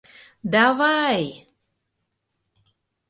— Давай!